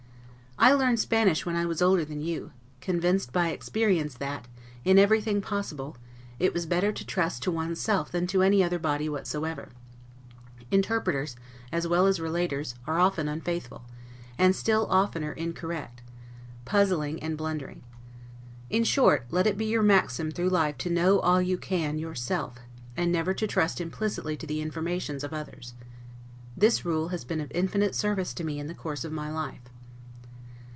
I learned Spanish when I was older than you; convinced by experience that, in everything possible, it was better to trust to one's self than to any other body whatsoever. Interpreters, as well as relaters, are often unfaithful, and still oftener incorrect, puzzling, and blundering. In short, let it be your maxim through life to know all you can know, yourself; and never to trust implicitly to the informations of others. This rule has been of infinite service to me in the course of my life.